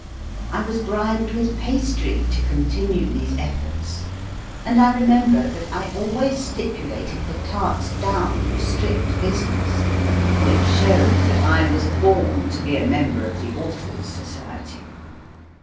I was bribed with pastry to continue these efforts, and I remember that I always stipulated for tarts down and strict business, which shows that I was born to be a member of the Authors Society.